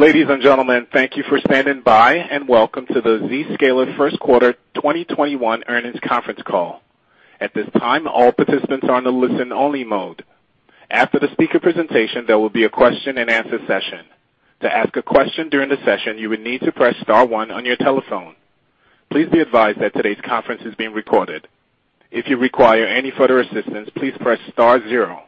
Ladies and gentlemen, thank you for standing by, and welcome to the Zscaler first quarter 2021 earnings conference call. At this time, all participants are on a listen-only mode. After the speaker presentation, there will be a question and answer session. To ask a question during the session, you would need to press star one on your telephone. Please be advised that today's conference is being recorded. If you require any further assistance, please press star zero.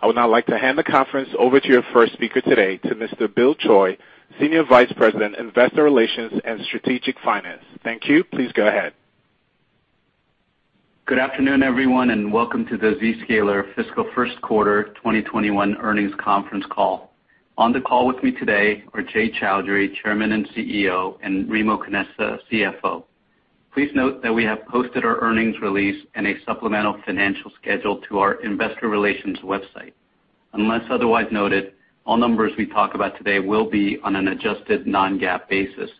I would now like to hand the conference over to your first speaker today, to Mr. Bill Choi, Senior Vice President, Investor Relations and Strategic Finance. Thank you. Please go ahead. Good afternoon, everyone, and welcome to the Zscaler fiscal first quarter 2021 earnings conference call. On the call with me today are Jay Chaudhry, Chairman and CEO, and Remo Canessa, CFO. Please note that we have posted our earnings release in a supplemental financial schedule to our investor relations website. Unless otherwise noted, all numbers we talk about today will be on an adjusted non-GAAP basis.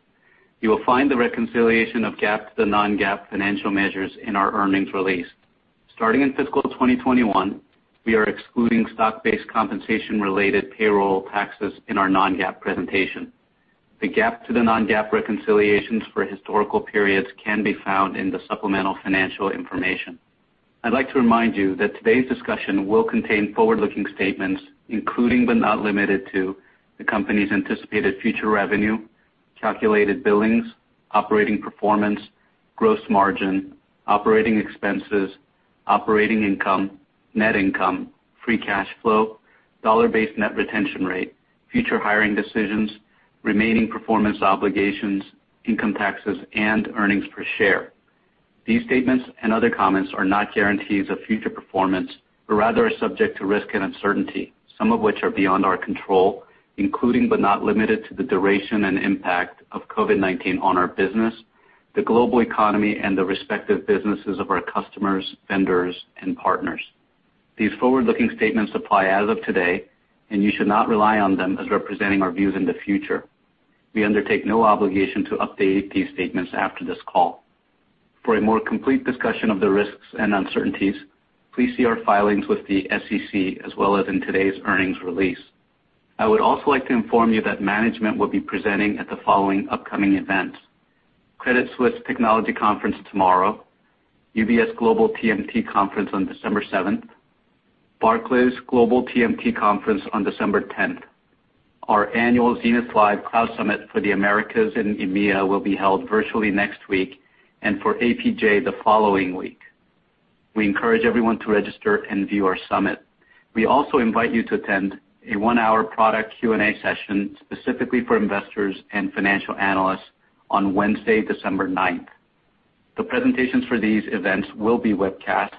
You will find the reconciliation of GAAP to non-GAAP financial measures in our earnings release. Starting in fiscal 2021, we are excluding stock-based compensation related payroll taxes in our non-GAAP presentation. The GAAP to the non-GAAP reconciliations for historical periods can be found in the supplemental financial information. I'd like to remind you that today's discussion will contain forward-looking statements, including, but not limited to, the company's anticipated future revenue, calculated billings, operating performance, gross margin, operating expenses, operating income, net income, free cash flow, dollar-based net retention rate, future hiring decisions, remaining performance obligations, income taxes and earnings per share. These statements and other comments are not guarantees of future performance, but rather are subject to risk and uncertainty, some of which are beyond our control, including, but not limited to, the duration and impact of COVID-19 on our business, the global economy, and the respective businesses of our customers, vendors and partners. These forward-looking statements apply as of today, and you should not rely on them as representing our views in the future. We undertake no obligation to update these statements after this call. For a more complete discussion of the risks and uncertainties, please see our filings with the SEC as well as in today's earnings release. I would also like to inform you that management will be presenting at the following upcoming events: Credit Suisse Technology Conference tomorrow, UBS Global TMT Conference on December seventh, Barclays Global TMT Conference on December tenth. Our annual ZenithLive Cloud Summit for the Americas and EMEA will be held virtually next week, and for APJ the following week. We encourage everyone to register and view our summit. We also invite you to attend a one-hour product Q&A session specifically for investors and financial analysts on Wednesday, December ninth. The presentations for these events will be webcast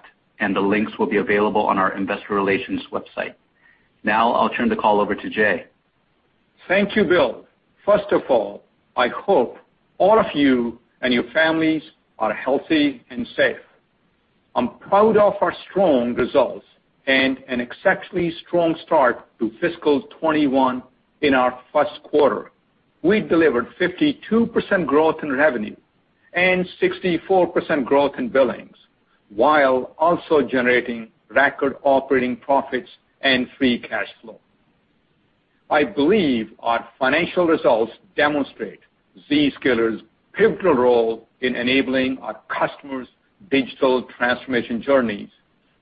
and the links will be available on our investor relations website. I'll turn the call over to Jay. Thank you, Bill. First of all, I hope all of you and your families are healthy and safe. I'm proud of our strong results and an exceptionally strong start to fiscal 2021 in our first quarter. We delivered 52% growth in revenue and 64% growth in billings, while also generating record operating profits and free cash flow. I believe our financial results demonstrate Zscaler's pivotal role in enabling our customers' digital transformation journeys,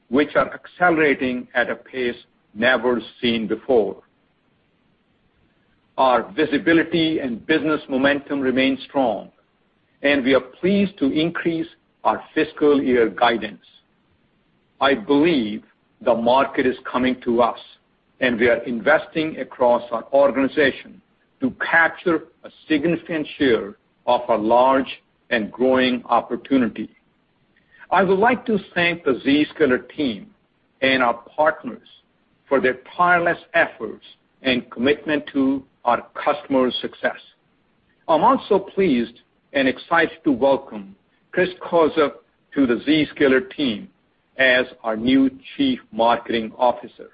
which are accelerating at a pace never seen before. Our visibility and business momentum remain strong. We are pleased to increase our fiscal year guidance. I believe the market is coming to us. We are investing across our organization to capture a significant share of a large and growing opportunity. I would like to thank the Zscaler team and our partners for their tireless efforts and commitment to our customers' success. I'm also pleased and excited to welcome Chris Kozup to the Zscaler team as our new Chief Marketing Officer.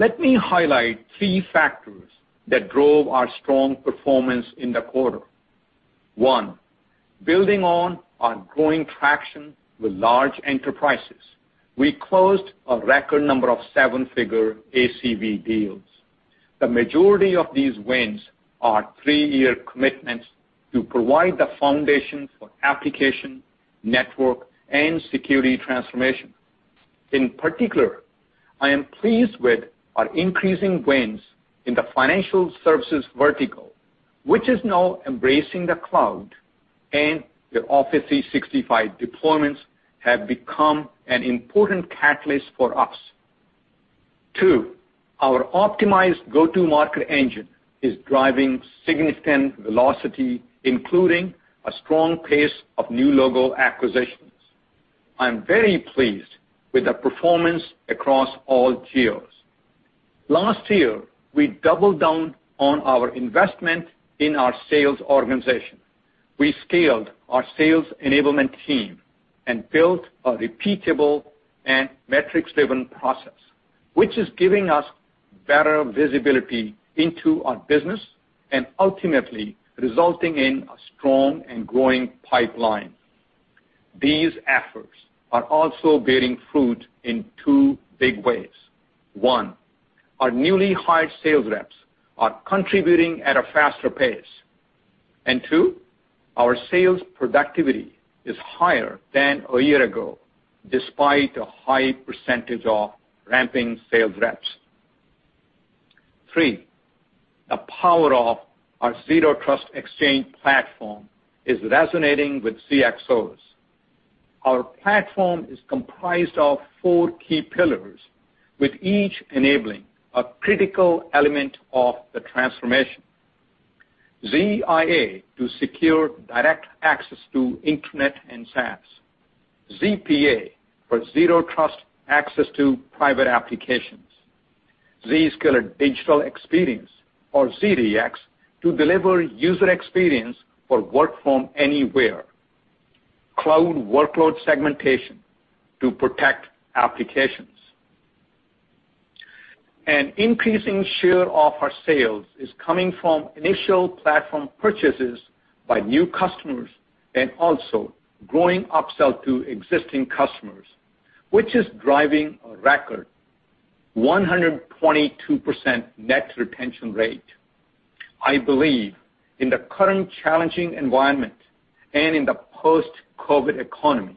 Let me highlight three factors that drove our strong performance in the quarter. One, building on our growing traction with large enterprises. We closed a record number of seven-figure ACV deals. The majority of these wins are three-year commitments to provide the foundation for application, network, and security transformation. In particular, I am pleased with our increasing wins in the financial services vertical, which is now embracing the cloud, and their Office 365 deployments have become an important catalyst for us. Two, our optimized go-to-market engine is driving significant velocity, including a strong pace of new logo acquisitions. I'm very pleased with the performance across all geos. Last year, we doubled down on our investment in our sales organization. We scaled our sales enablement team and built a repeatable and metrics-driven process, which is giving us better visibility into our business and ultimately resulting in a strong and growing pipeline. These efforts are also bearing fruit in two big ways. One, our newly hired sales reps are contributing at a faster pace. Two, our sales productivity is higher than a year ago, despite a high percentage of ramping sales reps. Three, the power of our Zero Trust Exchange platform is resonating with CxOs. Our platform is comprised of four key pillars, with each enabling a critical element of the transformation. ZIA to secure direct access to internet and SaaS. ZPA for Zero Trust access to private applications. Zscaler Digital Experience, or ZDX, to deliver user experience for work from anywhere. Cloud workload segmentation to protect applications. An increasing share of our sales is coming from initial platform purchases by new customers and also growing upsell to existing customers, which is driving a record 122% net retention rate. I believe in the current challenging environment and in the post-COVID economy,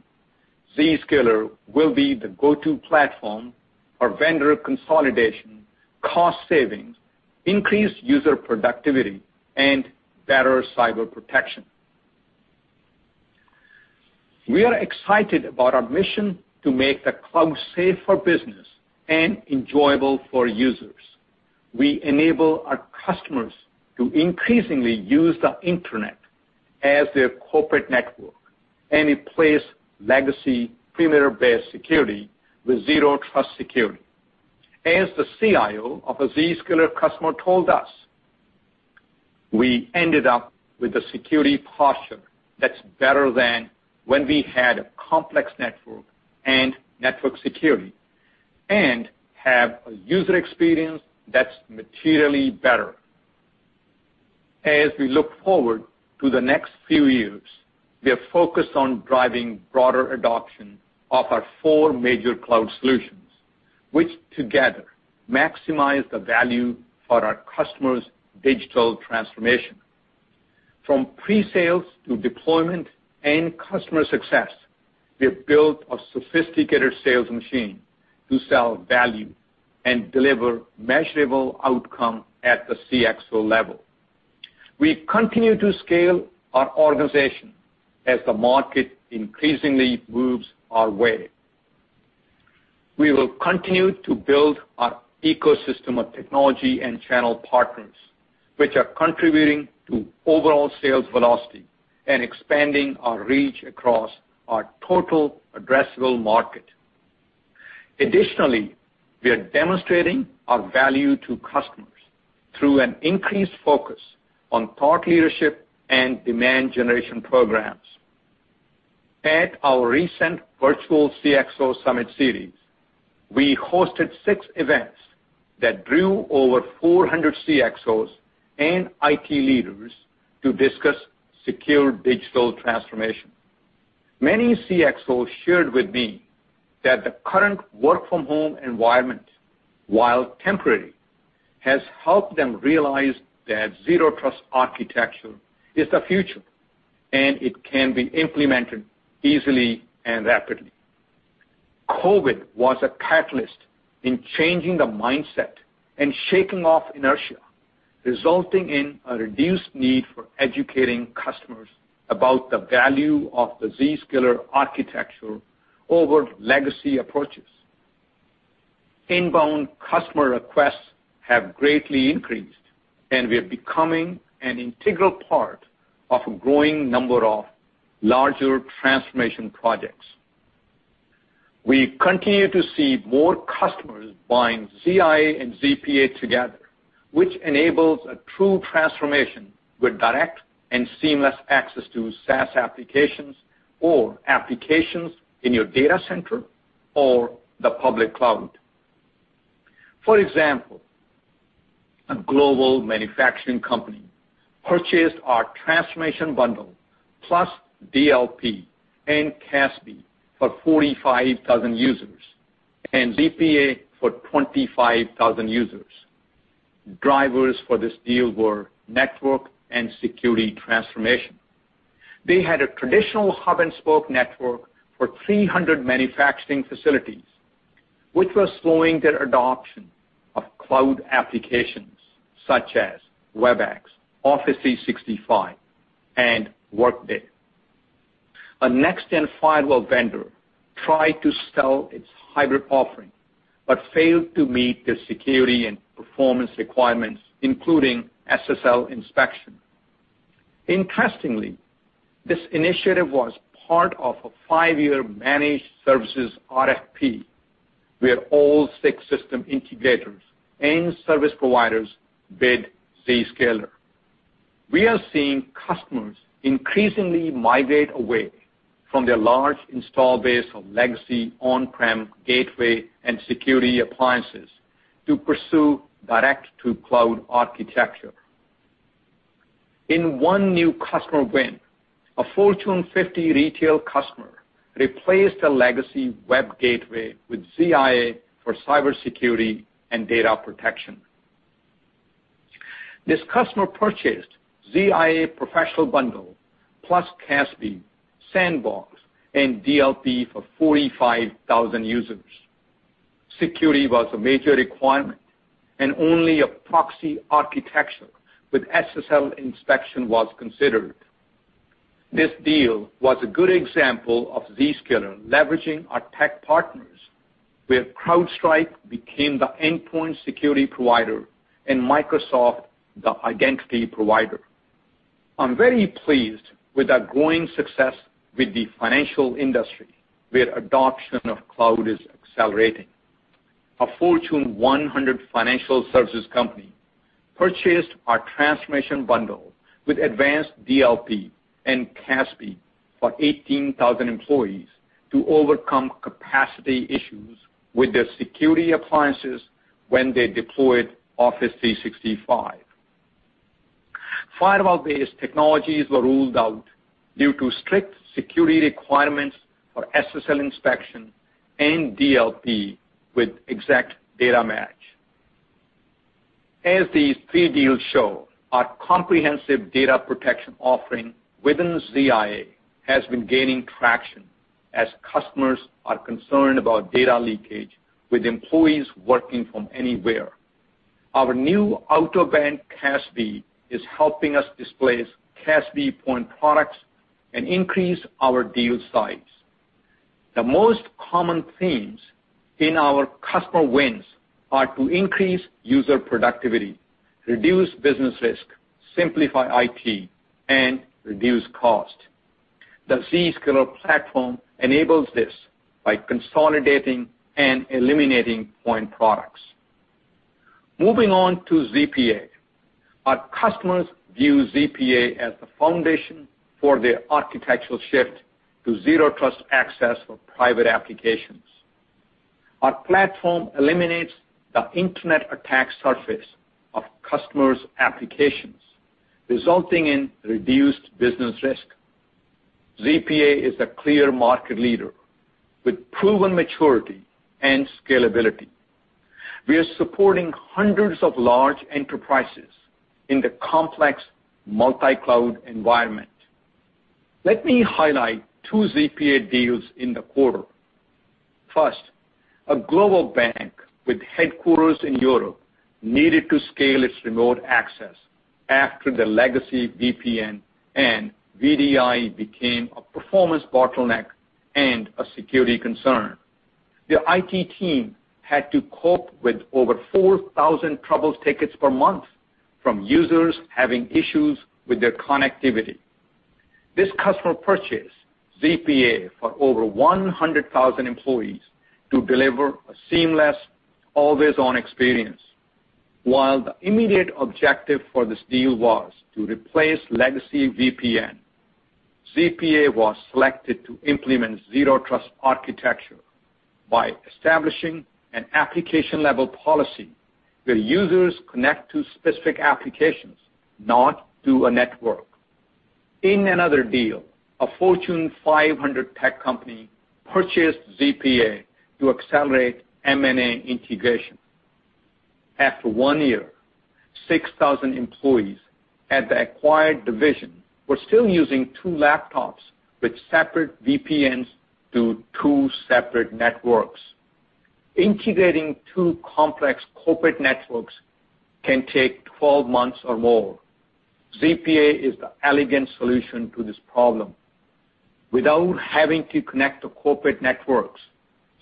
Zscaler will be the go-to platform for vendor consolidation, cost savings, increased user productivity, and better cyber protection. We are excited about our mission to make the cloud safe for business and enjoyable for users. We enable our customers to increasingly use the internet as if corporate next. It plays legacy perimeter-based security with Zero Trust security. As the CIO of a Zscaler customer told us, "We ended up with a security posture that's better than when we had a complex network and network security, and have a user experience that's materially better." As we look forward to the next few years, we are focused on driving broader adoption of our four major cloud solutions, which together maximize the value for our customers' digital transformation. From pre-sales to deployment and customer success, we have built a sophisticated sales machine to sell value and deliver measurable outcome at the CxO level. We continue to scale our organization as the market increasingly moves our way. We will continue to build our ecosystem of technology and channel partners, which are contributing to overall sales velocity and expanding our reach across our total addressable market. Additionally, we are demonstrating our value to customers through an increased focus on thought leadership and demand generation programs. At our recent virtual CxO Summit series, we hosted six events that drew over 400 CxOs and IT leaders to discuss secure digital transformation. Many CxOs shared with me that the current work-from-home environment, while temporary, has helped them realize that Zero Trust architecture is the future, and it can be implemented easily and rapidly. COVID was a catalyst in changing the mindset and shaking off inertia, resulting in a reduced need for educating customers about the value of the Zscaler architecture over legacy approaches. Inbound customer requests have greatly increased, and we are becoming an integral part of a growing number of larger transformation projects. We continue to see more customers buying ZIA and ZPA together, which enables a true transformation with direct and seamless access to SaaS applications or applications in your data center or the public cloud. For example, a global manufacturing company purchased our transformation bundle plus DLP and CASB for 45,000 users and ZPA for 25,000 users. Drivers for this deal were network and security transformation. They had a traditional hub-and-spoke network for 300 manufacturing facilities, which was slowing their adoption of cloud applications such as Webex, Office 365, and Workday. A next-gen firewall vendor tried to sell its hybrid offering, but failed to meet the security and performance requirements, including SSL inspection. Interestingly, this initiative was part of a five-year managed services RFP, where all six system integrators and service providers bid Zscaler. We are seeing customers increasingly migrate away from their large install base of legacy on-prem gateway and security appliances to pursue direct to cloud architecture. In one new customer win, a Fortune 50 retail customer replaced a legacy web gateway with ZIA for cybersecurity and data protection. This customer purchased ZIA Professional Bundle, plus CASB, Sandbox, and DLP for 45,000 users. Security was a major requirement, and only a proxy architecture with SSL inspection was considered. This deal was a good example of Zscaler leveraging our tech partners, where CrowdStrike became the endpoint security provider and Microsoft the identity provider. I'm very pleased with our growing success with the financial industry, where adoption of cloud is accelerating. A Fortune 100 financial services company purchased our transformation bundle with advanced DLP and CASB for 18,000 employees to overcome capacity issues with their security appliances when they deployed Office 365. Firewall-based technologies were ruled out due to strict security requirements for SSL inspection and DLP with exact data match. As these three deals show, our comprehensive data protection offering within ZIA has been gaining traction as customers are concerned about data leakage with employees working from anywhere. Our new out-of-band CASB is helping us displace CASB point products and increase our deal size. The most common themes in our customer wins are to increase user productivity, reduce business risk, simplify IT, and reduce cost. The Zscaler platform enables this by consolidating and eliminating point products. Moving on to ZPA. Our customers view ZPA as the foundation for their architectural shift to Zero Trust access for private applications. Our platform eliminates the internet attack surface of customers' applications, resulting in reduced business risk. ZPA is a clear market leader with proven maturity and scalability. We are supporting hundreds of large enterprises in the complex multi-cloud environment. Let me highlight 2 ZPA deals in the quarter. First, a global bank with headquarters in Europe needed to scale its remote access after the legacy VPN and VDI became a performance bottleneck and a security concern. The IT team had to cope with over 4,000 trouble tickets per month from users having issues with their connectivity. This customer purchased ZPA for over 100,000 employees to deliver a seamless, always-on experience. While the immediate objective for this deal was to replace legacy VPN, ZPA was selected to implement Zero Trust architecture by establishing an application-level policy where users connect to specific applications, not through a network. In another deal, a Fortune 500 tech company purchased ZPA to accelerate M&A integration. After one year, 6,000 employees at the acquired division were still using two laptops with separate VPNs to two separate networks. Integrating two complex corporate networks can take 12 months or more. ZPA is the elegant solution to this problem. Without having to connect to corporate networks,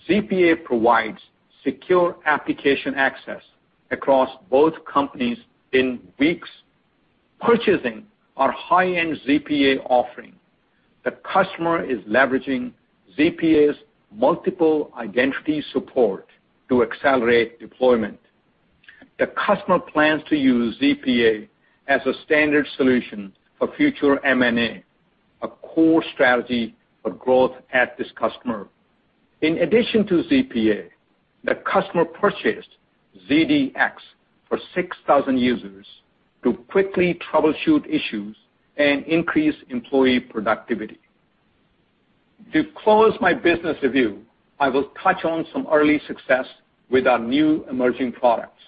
ZPA provides secure application access across both companies in weeks. Purchasing our high-end ZPA offering, the customer is leveraging ZPA's multiple identity support to accelerate deployment. The customer plans to use ZPA as a standard solution for future M&A, a core strategy for growth at this customer. In addition to ZPA, the customer purchased ZDX for 6,000 users to quickly troubleshoot issues and increase employee productivity. To close my business review, I will touch on some early success with our new emerging products.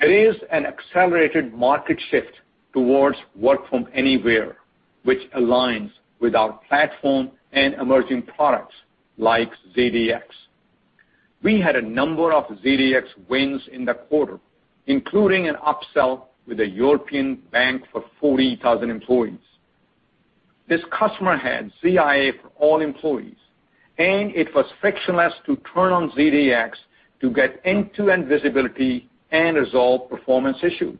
There is an accelerated market shift towards work from anywhere, which aligns with our platform and emerging products like ZDX. We had a number of ZDX wins in the quarter, including an upsell with a European bank for 40,000 employees. This customer had ZIA for all employees, and it was frictionless to turn on ZDX to get end-to-end visibility and resolve performance issues.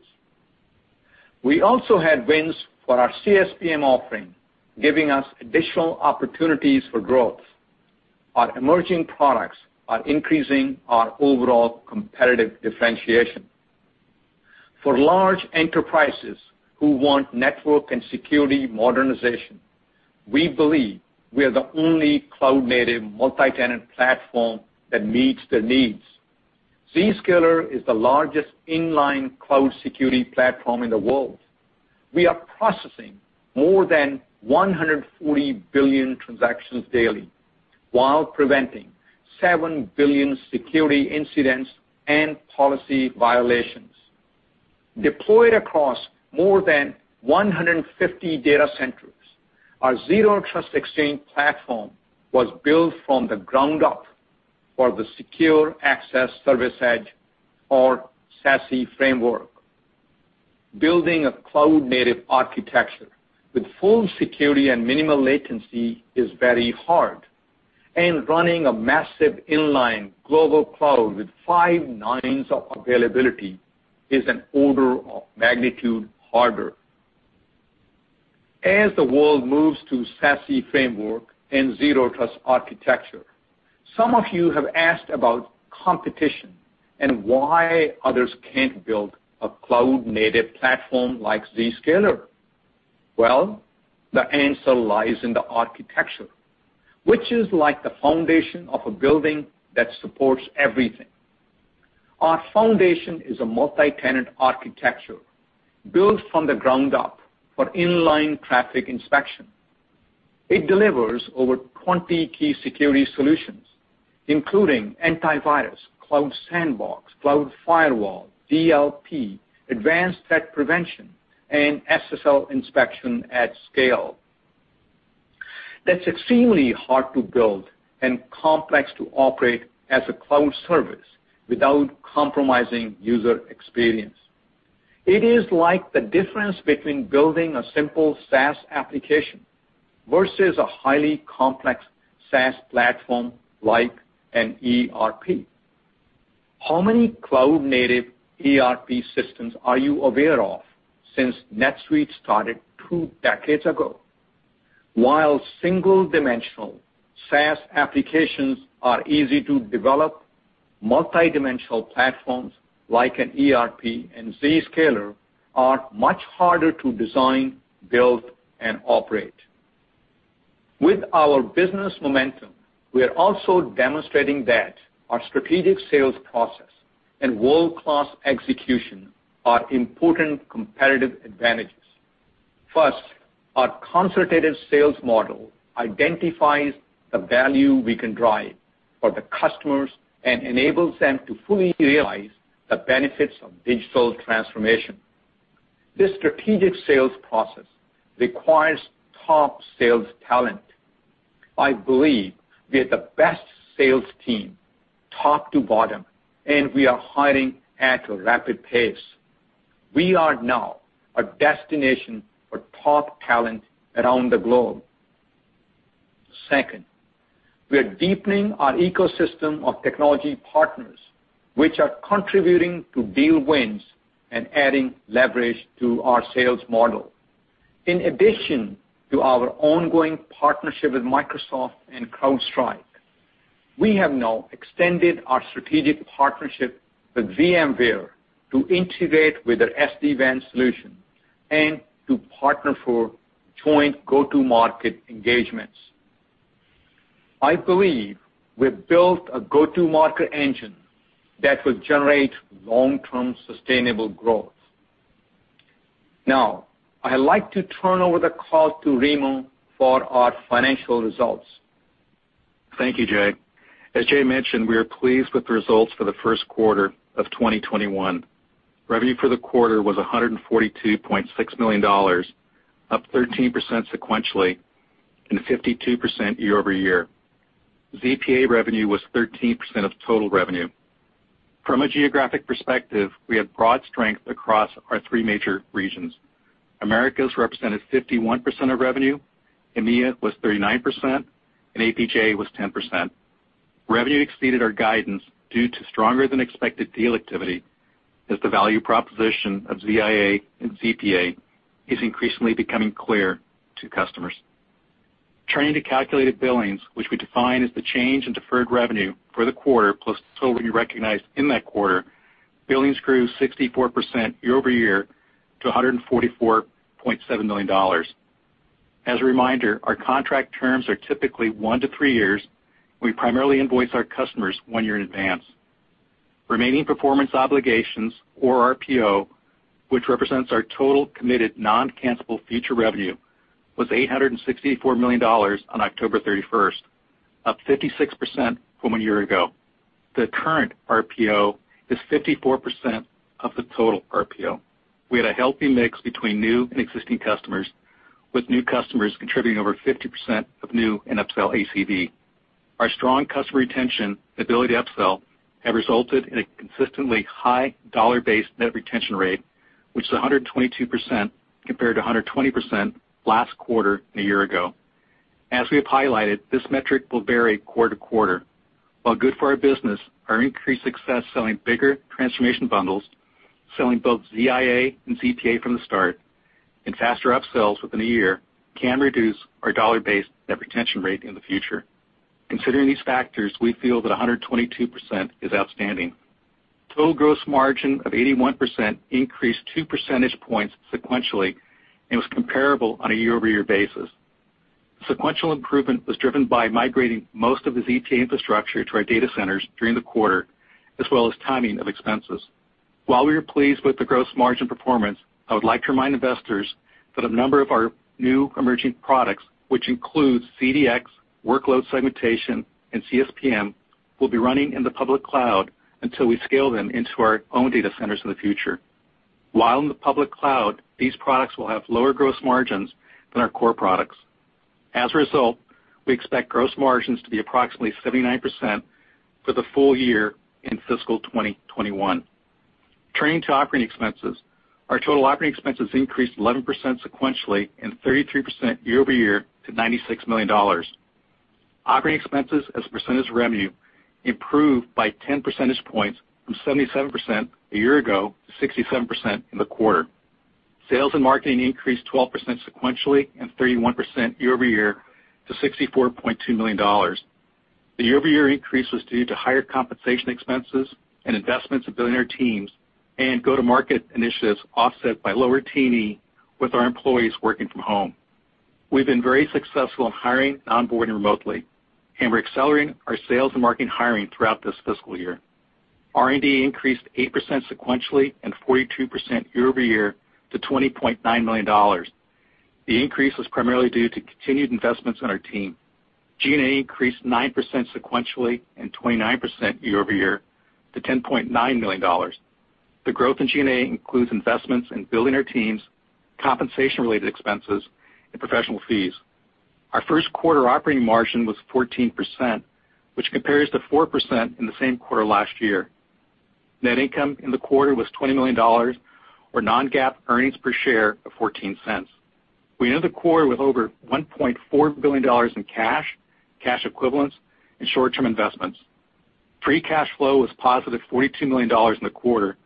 We also had wins for our CSPM offering, giving us additional opportunities for growth. Our emerging products are increasing our overall competitive differentiation. For large enterprises who want network and security modernization, we believe we are the only cloud-native multi-tenant platform that meets their needs. Zscaler is the largest inline cloud security platform in the world. We are processing more than 140 billion transactions daily while preventing 7 billion security incidents and policy violations. Deployed across more than 150 data centers, our Zero Trust Exchange platform was built from the ground up for the secure access service edge, or SASE framework. Building a cloud-native architecture with full security and minimal latency is very hard, and running a massive inline global cloud with five nines of availability is an order of magnitude harder. As the world moves to SASE framework and Zero Trust architecture, some of you have asked about competition and why others can't build a cloud-native platform like Zscaler. Well, the answer lies in the architecture, which is like the foundation of a building that supports everything. Our foundation is a multi-tenant architecture built from the ground up for inline traffic inspection. It delivers over 20 key security solutions, including antivirus, cloud sandbox, cloud firewall, DLP, advanced threat prevention, and SSL inspection at scale. That's extremely hard to build and complex to operate as a cloud service without compromising user experience. It is like the difference between building a simple SaaS application versus a highly complex SaaS platform, like an ERP. How many cloud-native ERP systems are you aware of since NetSuite started two decades ago? While single-dimensional SaaS applications are easy to develop, multi-dimensional platforms like an ERP and Zscaler are much harder to design, build, and operate. With our business momentum, we are also demonstrating that our strategic sales process and world-class execution are important competitive advantages. First, our consultative sales model identifies the value we can drive for the customers and enables them to fully realize the benefits of digital transformation. This strategic sales process requires top sales talent. I believe we have the best sales team, top to bottom, and we are hiring at a rapid pace. We are now a destination for top talent around the globe. Second, we are deepening our ecosystem of technology partners, which are contributing to deal wins and adding leverage to our sales model. In addition to our ongoing partnership with Microsoft and CrowdStrike, we have now extended our strategic partnership with VMware to integrate with their SD-WAN solution and to partner for joint go-to-market engagements. I believe we've built a go-to-market engine that will generate long-term sustainable growth. Now, I'd like to turn over the call to Remo for our financial results. Thank you, Jay. As Jay mentioned, we are pleased with the results for the first quarter of 2021. Revenue for the quarter was $142.6 million, up 13% sequentially and 52% year-over-year. ZPA revenue was 13% of total revenue. From a geographic perspective, we had broad strength across our three major regions. Americas represented 51% of revenue, EMEA was 39%, APJ was 10%. Revenue exceeded our guidance due to stronger than expected deal activity as the value proposition of ZIA and ZPA is increasingly becoming clear to customers. Turning to calculated billings, which we define as the change in deferred revenue for the quarter plus the total we recognized in that quarter, billings grew 64% year-over-year to $144.7 million. As a reminder, our contract terms are typically one to three years. We primarily invoice our customers one year in advance. Remaining performance obligations, or RPO, which represents our total committed non-cancellable future revenue, was $864 million on October 31st, up 56% from a year ago. The current RPO is 54% of the total RPO. We had a healthy mix between new and existing customers, with new customers contributing over 50% of new and upsell ACV. Our strong customer retention ability to upsell have resulted in a consistently high dollar-based net retention rate, which is 122% compared to 120% last quarter a year ago. As we have highlighted, this metric will vary quarter to quarter. While good for our business, our increased success selling bigger transformation bundles, selling both ZIA and ZPA from the start, and faster upsells within a year can reduce our dollar-based net retention rate in the future. Considering these factors, we feel that 122% is outstanding. Total gross margin of 81% increased two percentage points sequentially and was comparable on a year-over-year basis. The sequential improvement was driven by migrating most of the ZPA infrastructure to our data centers during the quarter, as well as timing of expenses. While we are pleased with the gross margin performance, I would like to remind investors that a number of our new emerging products, which includes ZDX, workload segmentation, and CSPM, will be running in the public cloud until we scale them into our own data centers in the future. While in the public cloud, these products will have lower gross margins than our core products. As a result, we expect gross margins to be approximately 79% for the full year in fiscal 2021. Turning to operating expenses. Our total operating expenses increased 11% sequentially and 33% year-over-year to $96 million. Operating expenses as a percentage of revenue improved by 10 percentage points from 77% a year ago to 67% in the quarter. Sales and marketing increased 12% sequentially and 31% year-over-year to $64.2 million. The year-over-year increase was due to higher compensation expenses and investments in building our teams and go-to-market initiatives offset by lower T&E with our employees working from home. We've been very successful in hiring and onboarding remotely, and we're accelerating our Sales and marketing hiring throughout this fiscal year. R&D increased 8% sequentially and 42% year-over-year to $20.9 million. The increase was primarily due to continued investments in our team. G&A increased 9% sequentially and 29% year-over-year to $10.9 million. The growth in G&A includes investments in building our teams, compensation related expenses, and professional fees. Our first quarter operating margin was 14%, which compares to 4% in the same quarter last year. Net income in the quarter was $20 million, or non-GAAP earnings per share of $0.14. We ended the quarter with over $1.4 billion in cash equivalents, and short-term investments. Free cash flow was positive $42 million in the quarter,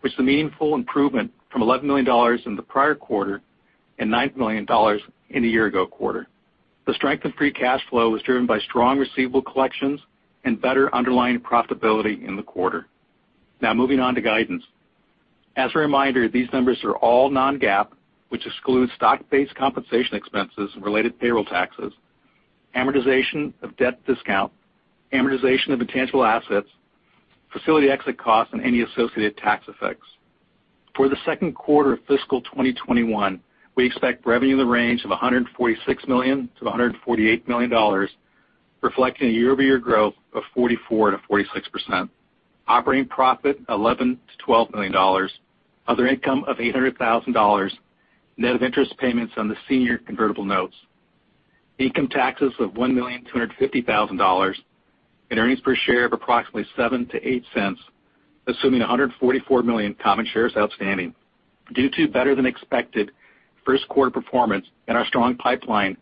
which is a meaningful improvement from $11 million in the prior quarter and $9 million in the year ago quarter. The strength in free cash flow was driven by strong receivable collections and better underlying profitability in the quarter. Now, moving on to guidance. As a reminder, these numbers are all non-GAAP, which excludes stock-based compensation expenses and related payroll taxes, amortization of debt discount, amortization of intangible assets, facility exit costs, and any associated tax effects. For the second quarter of fiscal 2021, we expect revenue in the range of $146 million-$148 million, reflecting a year-over-year growth of 44%-46%. Operating profit, $11 million-$12 million. Other income of $800,000. Net of interest payments on the senior convertible notes. Income taxes of $1,250,000 and earnings per share of approximately $0.07-$0.08, assuming 144 million common shares outstanding. Due to better than expected first quarter performance and our strong pipeline,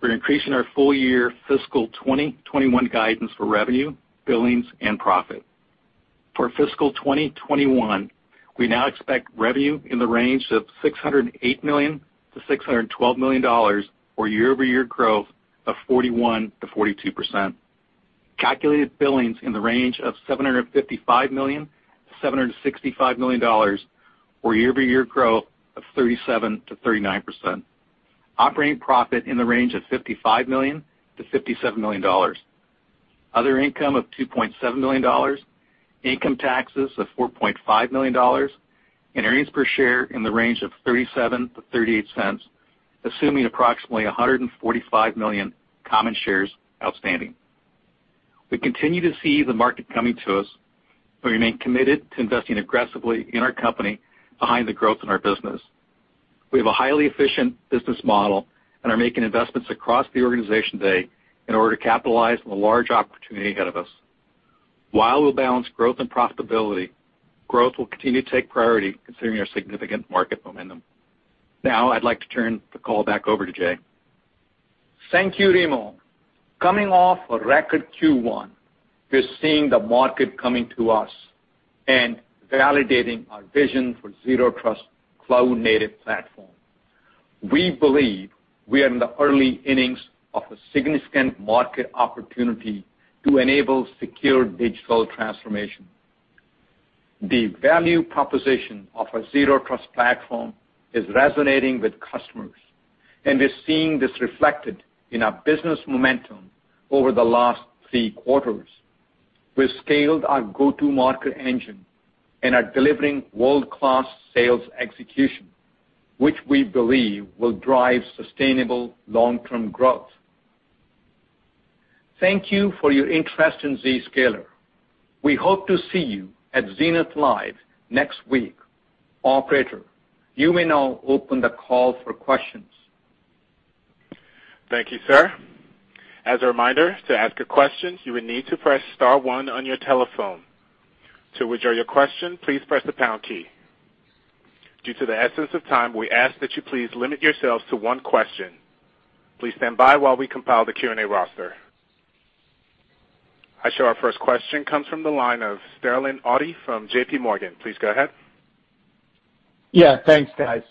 we're increasing our full year fiscal 2021 guidance for revenue, billings, and profit. For fiscal 2021, we now expect revenue in the range of $608 million-$612 million, or year-over-year growth of 41%-42%. Calculated billings in the range of $755 million-$765 million, or year-over-year growth of 37%-39%. Operating profit in the range of $55 million-$57 million. Other income of $2.7 million. Income taxes of $4.5 million. Earnings per share in the range of $0.37-$0.38, assuming approximately 145 million common shares outstanding. We continue to see the market coming to us, but remain committed to investing aggressively in our company behind the growth in our business. We have a highly efficient business model and are making investments across the organization today in order to capitalize on the large opportunity ahead of us. While we'll balance growth and profitability, growth will continue to take priority considering our significant market momentum. Now, I'd like to turn the call back over to Jay. Thank you, Remo. Coming off a record Q1, we're seeing the market coming to us and validating our vision for Zero Trust cloud native platform. We believe we are in the early innings of a significant market opportunity to enable secure digital transformation. The value proposition of our Zero Trust platform is resonating with customers, and we're seeing this reflected in our business momentum over the last three quarters. We've scaled our go-to-market engine and are delivering world-class sales execution, which we believe will drive sustainable long-term growth. Thank you for your interest in Zscaler. We hope to see you at Zenith Live next week. Operator, you may now open the call for questions. Thank you, sir. As a reminder, to ask a question, you will need to press star one on your telephone. To withdraw your question, please press the pound key. Due to the essence of time, we ask that you please limit yourselves to one question. Please stand by while we compile the Q&A roster. I show our first question comes from the line of Sterling Auty from JPMorgan. Please go ahead. Yeah, thanks, guys.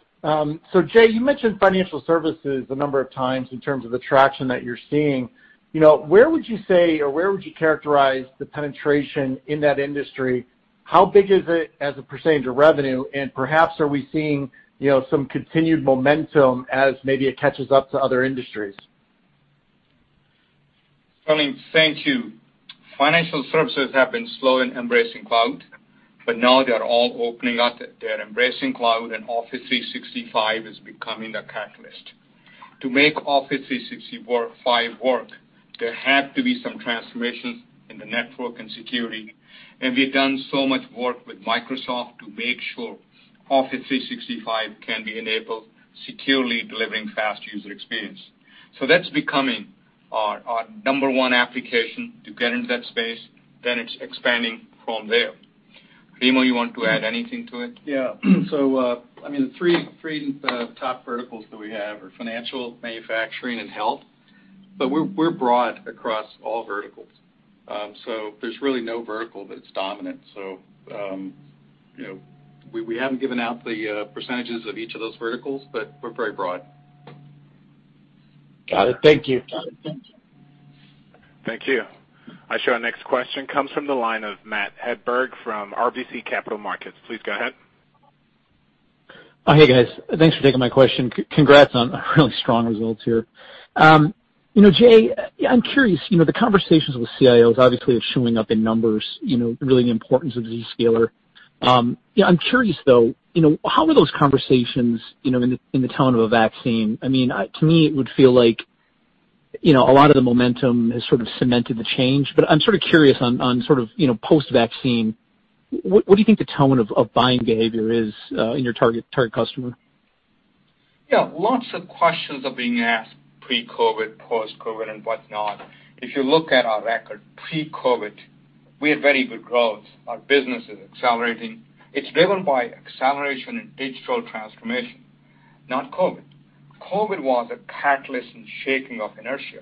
Jay, you mentioned financial services a number of times in terms of the traction that you're seeing. Where would you say or where would you characterize the penetration in that industry. How big is it as a percentage of revenue, and perhaps are we seeing some continued momentum as maybe it touches up to other industries? Sterling, thank you. Financial services have been slow in embracing cloud, but now they are all opening up. They're embracing cloud, and Office 365 is becoming the catalyst. To make Office 365 work, there had to be some transformations in the network and security, and we've done so much work with Microsoft to make sure Office 365 can be enabled securely, delivering fast user experience. That's becoming our number one application to get into that space, then it's expanding from there. Remo, you want to add anything to it? Yeah. The three top verticals that we have are financial, manufacturing, and health, but we're broad across all verticals. There's really no vertical that's dominant. We haven't given out the percentages of each of those verticals, but we're very broad. Got it. Thank you. Got it. Thank you. Thank you. I show our next question comes from the line of Matt Hedberg from RBC Capital Markets. Please go ahead. Hey, guys. Thanks for taking my question. Congrats on really strong results here. Jay, I'm curious, the conversations with CIOs obviously are showing up in numbers, really the importance of Zscaler. I'm curious, though, how are those conversations in the tone of a vaccine? To me, it would feel like, a lot of the momentum has sort of cemented the change. I'm sort of curious on sort of, post-vaccine, what do you think the tone of buying behavior is, in your target customer? Yeah, lots of questions are being asked pre-COVID, post-COVID, and whatnot. If you look at our record pre-COVID, we had very good growth. Our business is accelerating. It's driven by acceleration in digital transformation, not COVID. COVID was a catalyst and shaking of inertia.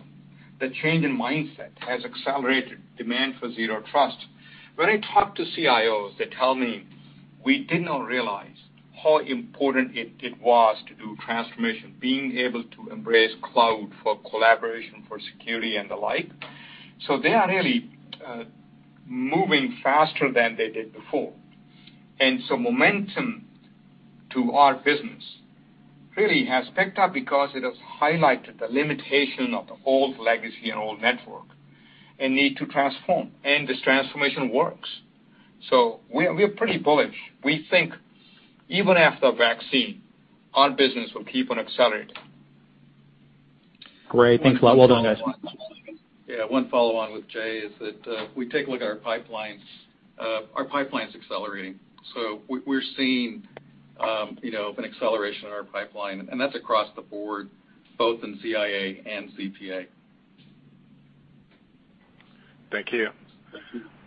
The change in mindset has accelerated demand for Zero Trust. When I talk to CIOs, they tell me, "We did not realize how important it was to do transformation, being able to embrace cloud for collaboration, for security, and the like." They are really moving faster than they did before. Momentum to our business really has picked up because it has highlighted the limitation of the old legacy and old network and need to transform, and this transformation works. We're pretty bullish. We think even after a vaccine, our business will keep on accelerating. Great. Thanks a lot. Well done, guys. Yeah, one follow-on with Jay is that, if we take a look at our pipelines, our pipeline's accelerating. We're seeing an acceleration in our pipeline, and that's across the board, both in ZIA and ZPA. Thank you.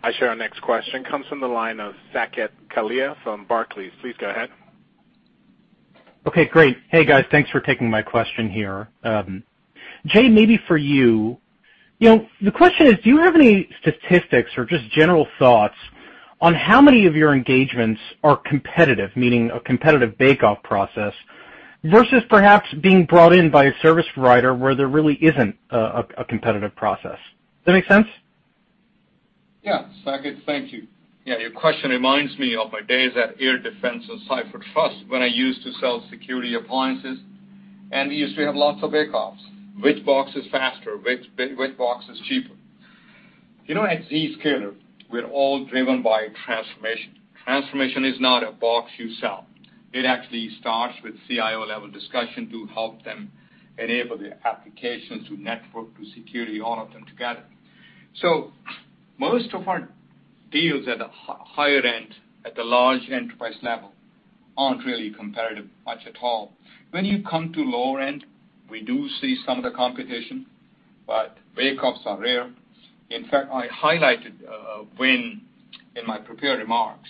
I show our next question comes from the line of Saket Kalia from Barclays. Please go ahead. Okay, great. Hey, guys. Thanks for taking my question here. Jay, maybe for you. The question is, do you have any statistics or just general thoughts on how many of your engagements are competitive, meaning a competitive bake-off process, versus perhaps being brought in by a service provider where there really isn't a competitive process? Does that make sense? Yeah, Saket, thank you. Yeah, your question reminds me of my days at AirDefense and CipherTrust when I used to sell security appliances, and we used to have lots of bake-offs. Which box is faster? Which box is cheaper? At Zscaler, we're all driven by transformation. Transformation is not a box you sell. It actually starts with CIO-level discussion to help them enable the application to network, to security, all of them together. Most of our deals at the higher end, at the large enterprise level, aren't really competitive much at all. When you come to lower end, we do see some of the competition. Bake-offs are rare. In fact, I highlighted a win in my prepared remarks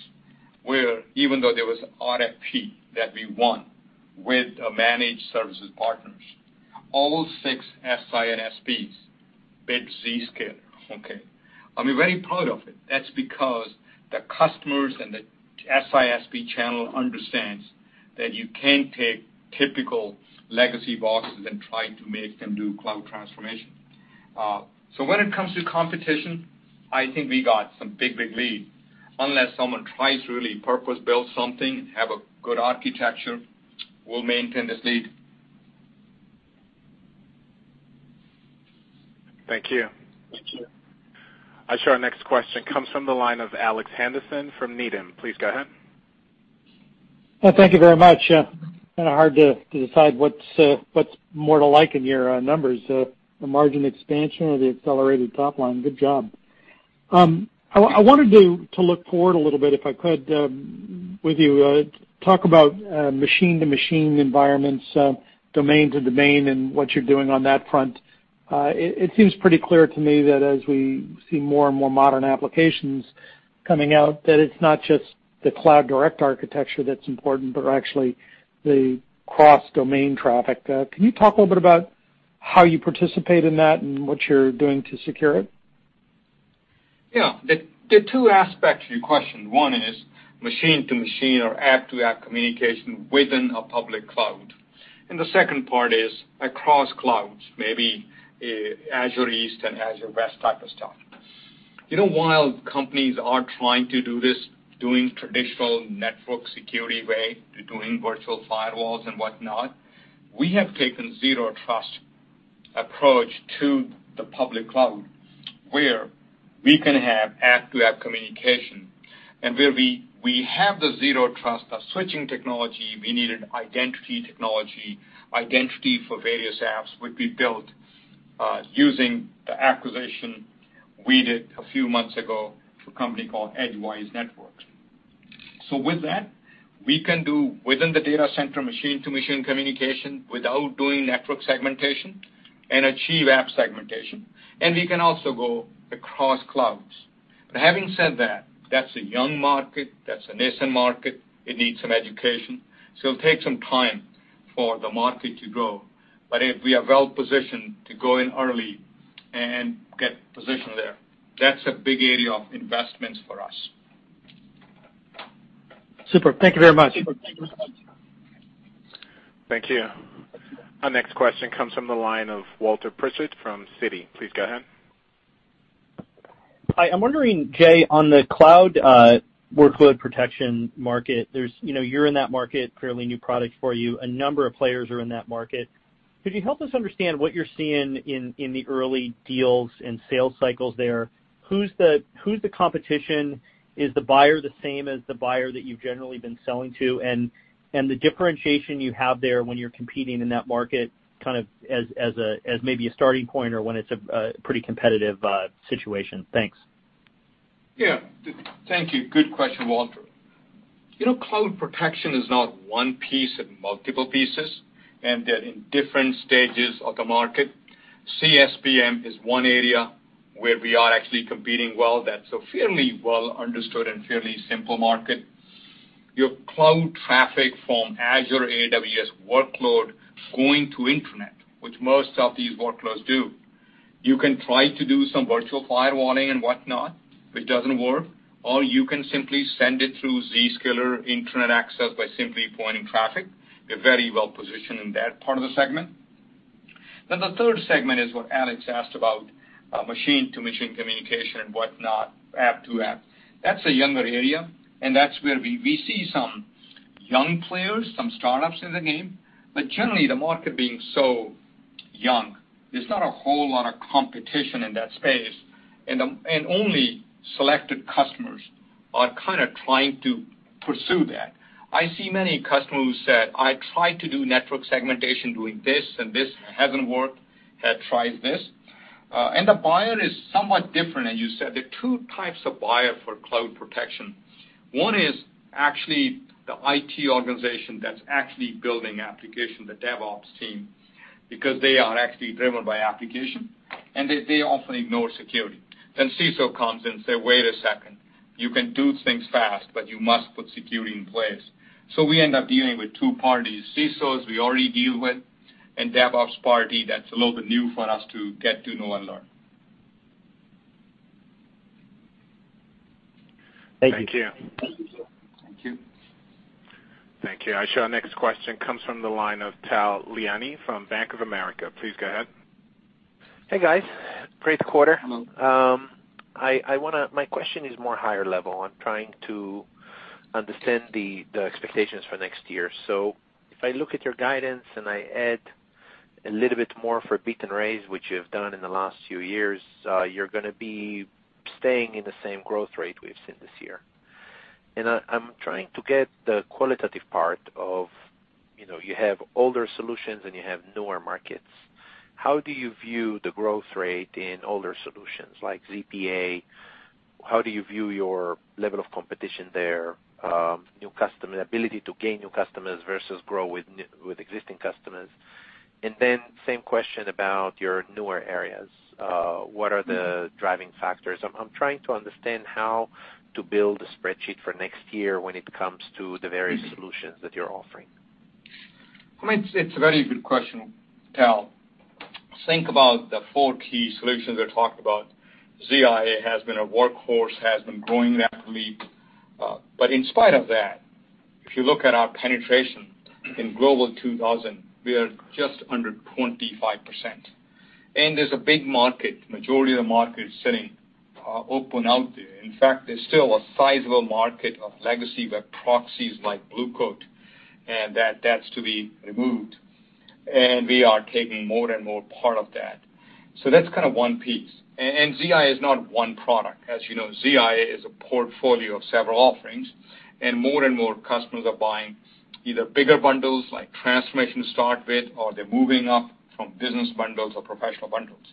where even though there was an RFP that we won with a managed services partners. All six SISPs bid Zscaler. Okay. I'm very proud of it. That's because the customers and the SISP channel understands that you can't take typical legacy boxes and try to make them do cloud transformation. When it comes to competition, I think we got some big lead. Unless someone tries really purpose-build something, have a good architecture, we'll maintain this lead. Thank you. Thank you. I show our next question comes from the line of Alex Henderson from Needham. Please go ahead. Thank you very much. Hard to decide what's more to like in your numbers, the margin expansion or the accelerated top line. Good job. I wanted to look forward a little bit, if I could, with you. Talk about machine-to-machine environments, domain-to-domain, and what you're doing on that front. It seems pretty clear to me that as we see more and more modern applications coming out, that it's not just the cloud direct architecture that's important, but actually the cross-domain traffic. Can you talk a little bit about how you participate in that and what you're doing to secure it? There are two aspects to your question. One is machine to machine or app-to-app communication within a public cloud. The second part is across clouds, maybe Azure East and Azure West type of stuff. While companies are trying to do this, doing traditional network security way, doing virtual firewalls and whatnot, we have taken Zero Trust approach to the public cloud, where we can have app-to-app communication. Where we have the Zero Trust, the switching technology, we needed identity technology. Identity for various apps would be built using the acquisition we did a few months ago for a company called Edgewise Networks. With that, we can do within the data center, machine-to-machine communication without doing network segmentation and achieve app segmentation. We can also go across clouds. Having said that's a young market. That's a nascent market. It needs some education. It'll take some time for the market to grow. We are well-positioned to go in early and get positioned there. That's a big area of investments for us. Super. Thank you very much. Thank you. Our next question comes from the line of Walter Pritchard from Citi. Please go ahead. Hi. I'm wondering, Jay, on the cloud workload protection market, you're in that market, fairly new product for you. A number of players are in that market. Could you help us understand what you're seeing in the early deals and sales cycles there? Who's the competition? Is the buyer the same as the buyer that you've generally been selling to? The differentiation you have there when you're competing in that market, as maybe a starting point or when it's a pretty competitive situation. Thanks. Thank you. Good question, Walter. Cloud protection is not one piece, it multiple pieces, and they're in different stages of the market. CSPM is one area where we are actually competing well. That's a fairly well-understood and fairly simple market. Your cloud traffic from Azure AWS workload going to internet, which most of these workloads do, you can try to do some virtual firewalling and whatnot. It doesn't work. You can simply send it through Zscaler Internet Access by simply pointing traffic. We're very well-positioned in that part of the segment. The third segment is what Alex asked about, machine-to-machine communication and whatnot, app-to-app. That's a younger area, and that's where we see some young players, some startups in the game. Generally, the market being so young, there's not a whole lot of competition in that space. Only selected customers are trying to pursue that. I see many customers who said, "I tried to do network segmentation doing this hasn't worked." The buyer is somewhat different, as you said. There are two types of buyer for cloud protection. One is actually the IT organization that's actually building application, the DevOps team, because they are actually driven by application, and they often ignore security. CISO comes in, say, "Wait a second. You can do things fast, but you must put security in place." We end up dealing with two parties. CISOs, we already deal with, and DevOps party, that's a little bit new for us to get to know and learn. Thank you. Thank you. Thank you. I show our next question comes from the line of Tal Liani from Bank of America. Please go ahead. Hey, guys. Great quarter. Hello. My question is more higher level. If I look at your guidance and I add a little bit more for beat and raise, which you've done in the last few years, you're going to be staying in the same growth rate we've seen this year. I'm trying to get the qualitative part of, you have older solutions, and you have newer markets. How do you view the growth rate in older solutions like ZPA? How do you view your level of competition there, ability to gain new customers versus grow with existing customers? Then same question about your newer areas. What are the driving factors? I'm trying to understand how to build a spreadsheet for next year when it comes to the various solutions that you're offering. It's a very good question, Tal. Think about the four key solutions I talked about. ZIA has been a workhorse, has been growing rapidly. In spite of that, if you look at our penetration in Global 2000, we are just under 25%. There's a big market. Majority of the market is sitting open out there. In fact, there's still a sizable market of legacy web proxies like Blue Coat, and that's to be removed. We are taking more and more part of that. That's one piece. ZIA is not one product. As you know, ZIA is a portfolio of several offerings, and more and more customers are buying either bigger bundles like Transformation Start with, or they're moving up from business bundles or professional bundles.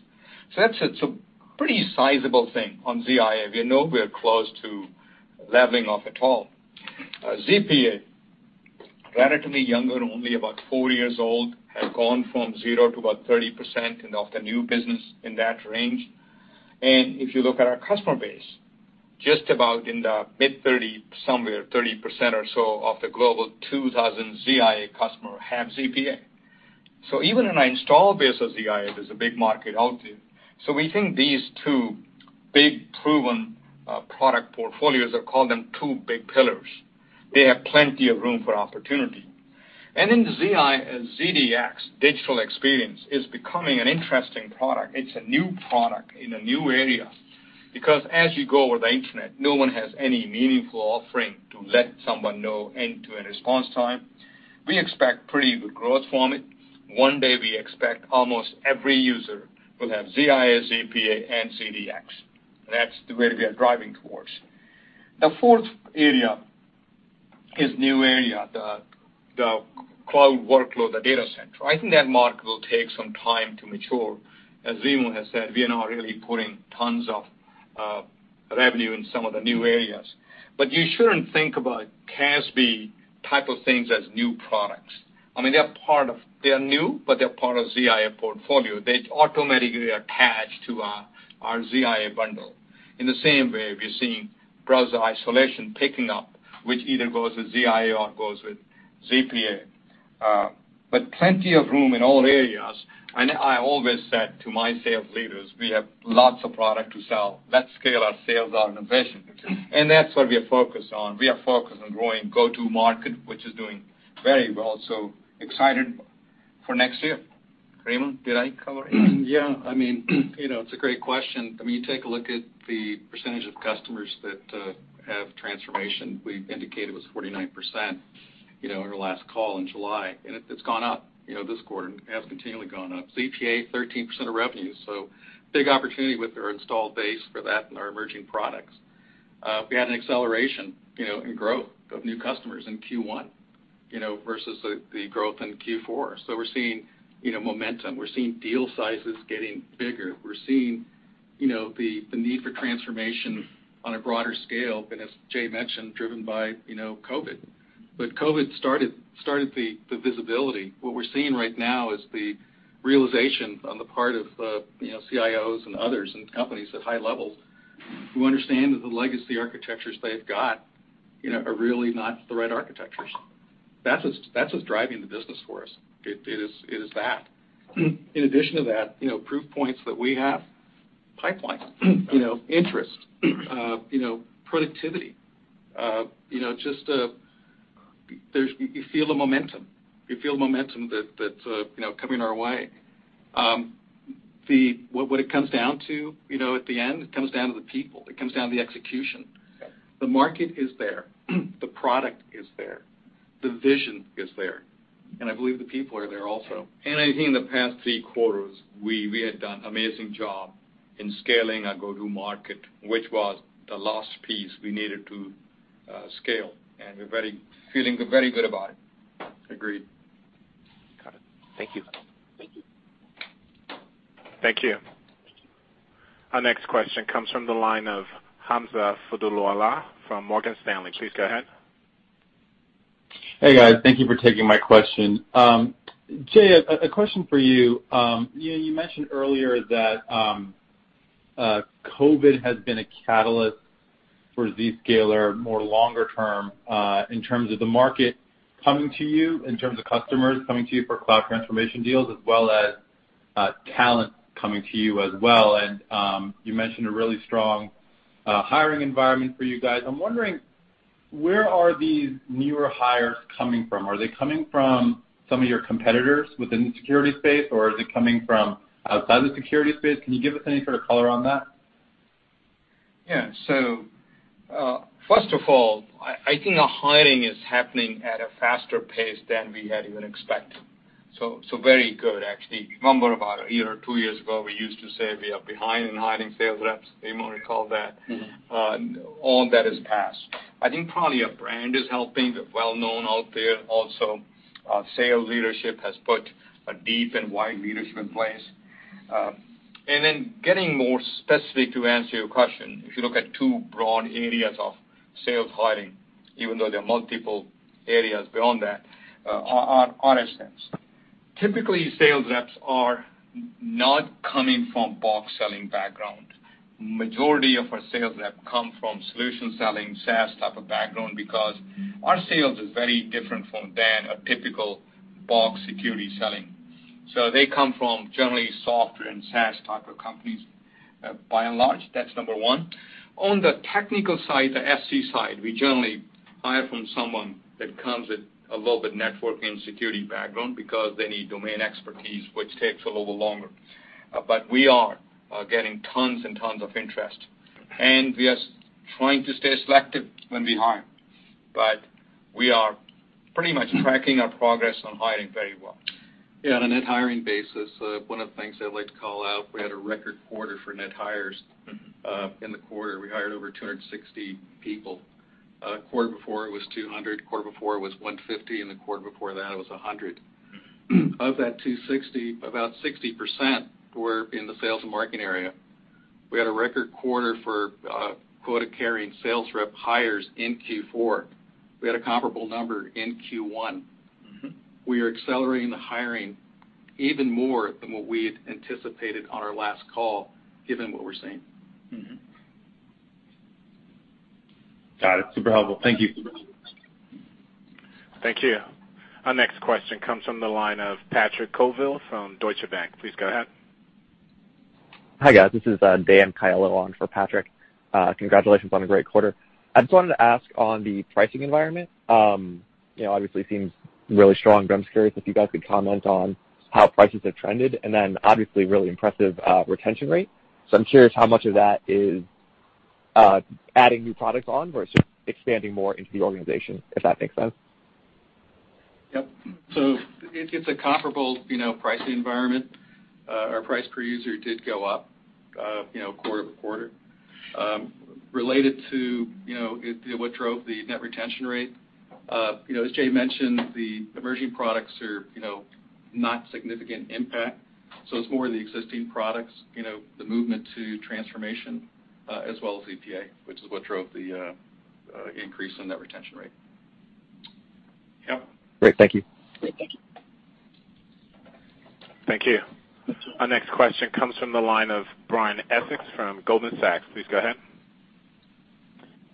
That's a pretty sizable thing on ZIA. We know we're close to leveling off at all. ZPA, relatively younger, only about four years old, has gone from zero to about 30% and of the new business in that range. If you look at our customer base, just about in the mid-30, somewhere 30% or so of the Global 2000 ZIA customer have ZPA. Even in our install base of ZIA, there's a big market out there. We think these two big proven product portfolios are calling them two big pillars. They have plenty of room for opportunity. In ZIA, ZDX, Digital Experience is becoming an interesting product. It's a new product in a new area. As you go over the internet, no one has any meaningful offering to let someone know end-to-end response time. We expect pretty good growth from it. One day we expect almost every user will have ZIA, ZPA, and ZDX. That's the way we are driving towards. The fourth area is new area, the cloud workload, the data center. I think that market will take some time to mature. As Remo has said, we are not really putting tons of revenue in some of the new areas. You shouldn't think about CASB type of things as new products. They're new, they're part of ZIA portfolio. They automatically attach to our ZIA bundle. In the same way, we're seeing browser isolation picking up, which either goes with ZIA or it goes with ZPA. Plenty of room in all areas. I always said to my sales leaders, we have lots of product to sell. Let's scale our sales organization. That's what we are focused on. We are focused on growing go-to market, which is doing very well. Excited for next year. Remo, did I cover it? Yeah. It's a great question. You take a look at the percentage of customers that have transformation, we indicated was 49% in our last call in July, and it's gone up this quarter, and has continually gone up. ZPA, 13% of revenue, big opportunity with our installed base for that and our emerging products. We had an acceleration in growth of new customers in Q1, versus the growth in Q4. We're seeing momentum. We're seeing deal sizes getting bigger. We're seeing the need for transformation on a broader scale, and as Jay mentioned, driven by COVID. COVID started the visibility. What we're seeing right now is the realization on the part of CIOs and others in companies at high levels who understand that the legacy architectures they've got are really not the right architectures. That's what's driving the business for us. It is that. Proof points that we have, pipelines, interest, productivity, just you feel the momentum. You feel the momentum that's coming our way. What it comes down to at the end, it comes down to the people. It comes down to the execution. Yeah. The market is there. The product is there. The vision is there. I believe the people are there also. I think in the past three quarters, we had done amazing job in scaling our go-to market, which was the last piece we needed to scale, and we're feeling very good about it. Agreed. Got it. Thank you. Thank you. Thank you. Our next question comes from the line of Hamza Fodderwala from Morgan Stanley. Please go ahead. Hey, guys. Thank you for taking my question. Jay, a question for you. You mentioned earlier that COVID has been a catalyst for Zscaler more longer term, in terms of the market coming to you, in terms of customers coming to you for cloud transformation deals, as well as talent coming to you as well, and you mentioned a really strong hiring environment for you guys. I'm wondering, where are these newer hires coming from? Are they coming from some of your competitors within the security space, or are they coming from outside the security space? Can you give us any sort of color on that? First of all, I think our hiring is happening at a faster pace than we had even expected. Very good, actually. Remember about a year or two years ago, we used to say we are behind in hiring sales reps. Remo, recall that? All that is passed. I think probably our brand is helping. We're well-known out there. Our sales leadership has put a deep and wide leadership in place. Getting more specific to answer your question, if you look at two broad areas of sales hiring, even though there are multiple areas beyond that, on instance. Typically, sales reps are not coming from box selling background. Majority of our sales rep come from solution selling, SaaS type of background because our sales is very different from than a typical box security selling. They come from generally software and SaaS type of companies. By and large, that's number one. On the technical side, the SE side, we generally hire from someone that comes with a little bit networking security background because they need domain expertise, which takes a little longer. We are getting tons and tons of interest, and we are trying to stay selective when we hire. We are pretty much tracking our progress on hiring very well. Yeah, on a net hiring basis, one of the things I'd like to call out, we had a record quarter for net hires. In the quarter, we hired over 260 people. Quarter before it was 200. Quarter before it was 150, and the quarter before that it was 100. Of that 260, about 60% were in the sales and marketing area. We had a record quarter for quota-carrying sales rep hires in Q4. We had a comparable number in Q1. We are accelerating the hiring even more than what we had anticipated on our last call, given what we're seeing. Got it. Super helpful. Thank you. Thank you. Our next question comes from the line of Patrick Colville from Deutsche Bank. Please go ahead. Hi, guys. This is Dan Caiello on for Patrick. Congratulations on a great quarter. I just wanted to ask on the pricing environment. Obviously seems really strong, but I'm curious if you guys could comment on how prices have trended, and then obviously really impressive retention rate. I'm curious how much of that is adding new products on versus expanding more into the organization, if that makes sense. Yep. It's a comparable pricing environment. Our price per user did go up quarter-over-quarter. Related to what drove the net retention rate. As Jay mentioned, the emerging products are not significant impact. It's more the existing products, the movement to transformation, as well as ZPA, which is what drove the increase in that retention rate. Yep. Great. Thank you. Thank you. Our next question comes from the line of Brian Essex from Goldman Sachs. Please go ahead.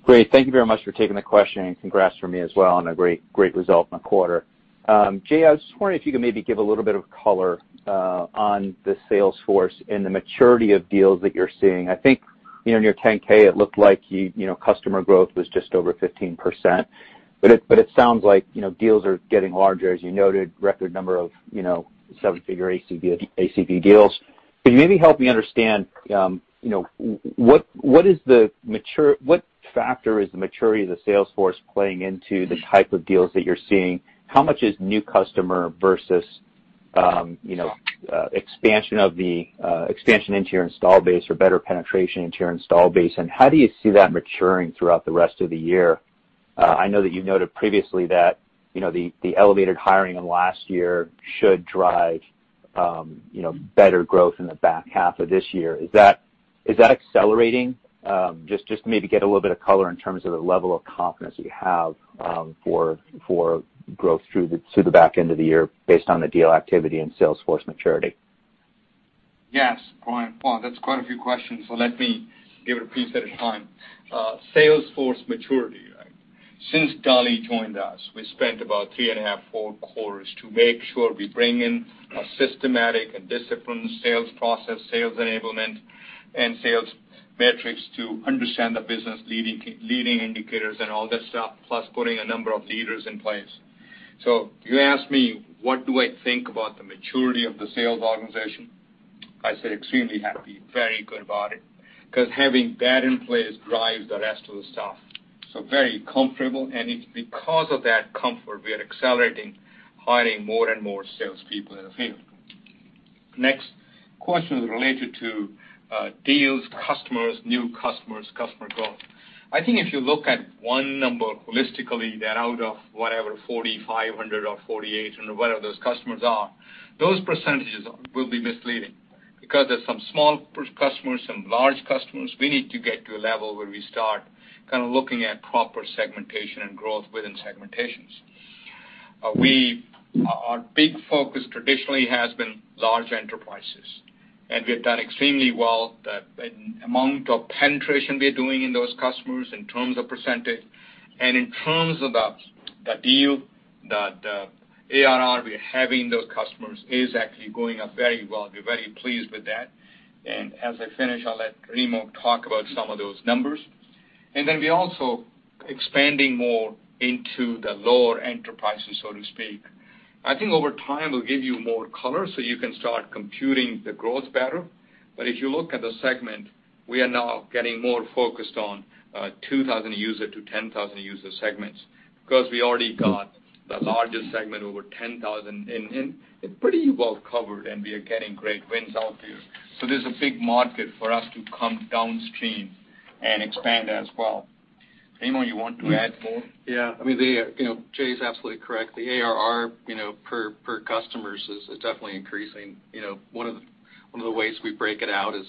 Great. Thank you very much for taking the question, and congrats from me as well on a great result on the quarter. Jay, I was just wondering if you could maybe give a little bit of color on the sales force and the maturity of deals that you're seeing. I think in your 10-K, it looked like customer growth was just over 15%, but it sounds like deals are getting larger. As you noted, record number of seven-figure ACV deals. Could you maybe help me understand what factor is the maturity of the sales force playing into the type of deals that you're seeing? How much is new customer versus expansion into your install base or better penetration into your install base, and how do you see that maturing throughout the rest of the year? I know that you noted previously that the elevated hiring in last year should drive better growth in the back half of this year. Is that accelerating? Just maybe get a little bit of color in terms of the level of confidence you have for growth through the back end of the year based on the deal activity and sales force maturity? Yes, Brian. Wow, that's quite a few questions, so let me give it a piece at a time. Sales force maturity, right. Since Dali joined us, we spent about three and a half, four quarters to make sure we bring in a systematic and disciplined sales process, sales enablement, and sales metrics to understand the business leading indicators and all that stuff, plus putting a number of leaders in place. You asked me, what do I think about the maturity of the sales organization? I say extremely happy. Very good about it, because having that in place drives the rest of the stuff. Very comfortable, and it's because of that comfort we are accelerating, hiring more and more salespeople in the field. Next question is related to deals, customers, new customers, customer growth. I think if you look at one number holistically that out of whatever, 4,500 or 4,800, whatever those customers are, those percentages will be misleading because there's some small customers, some large customers. We need to get to a level where we start kind of looking at proper segmentation and growth within segmentations. Our big focus traditionally has been large enterprises. We've done extremely well. The amount of penetration we are doing in those customers in terms of percentage and in terms of the deal that the ARR we are having those customers is actually going up very well. We're very pleased with that. As I finish, I'll let Remo talk about some of those numbers. Then we're also expanding more into the lower enterprises, so to speak. I think over time, we'll give you more color so you can start computing the growth better. If you look at the segment, we are now getting more focused on 2,000 user to 10,000 user segments because we already got the largest segment over 10,000 in. It's pretty well covered, and we are getting great wins out there. There's a big market for us to come downstream and expand as well. Remo, you want to add more? Yeah. Jay's absolutely correct. The ARR per customers is definitely increasing. One of the ways we break it out is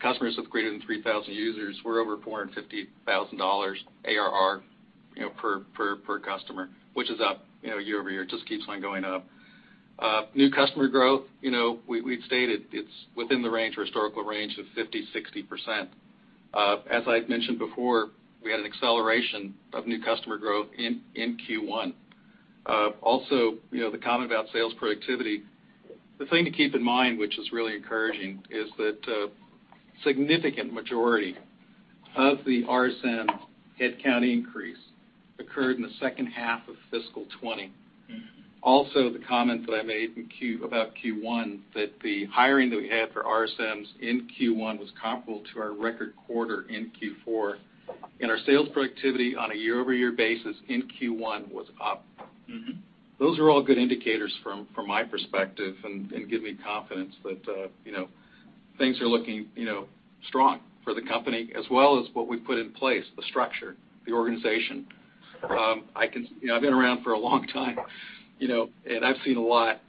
customers with greater than 3,000 users were over $450,000 ARR per customer, which is up year-over-year. It just keeps on going up. New customer growth, we've stated it's within the range or historical range of 50%, 60%. As I've mentioned before, we had an acceleration of new customer growth in Q1. The comment about sales productivity, the thing to keep in mind, which is really encouraging, is that a significant majority of the RSM headcount increase occurred in the second half of fiscal 2020. The comment that I made about Q1, that the hiring that we had for RSMs in Q1 was comparable to our record quarter in Q4, and our sales productivity on a year-over-year basis in Q1 was up. Those are all good indicators from my perspective and give me confidence that things are looking strong for the company as well as what we've put in place, the structure, the organization. I've been around for a long time, and I've seen a lot.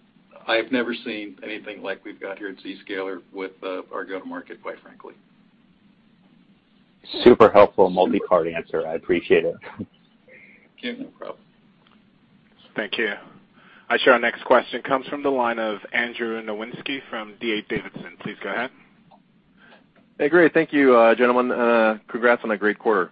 I've never seen anything like we've got here at Zscaler with our go-to market, quite frankly. Super helpful multi-part answer. I appreciate it. Okay, no problem. Thank you. Our next question comes from the line of Andrew Nowinski from D.A. Davidson. Please go ahead. Hey, great. Thank you, gentlemen. Congrats on a great quarter.